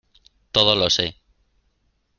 todo lo sé.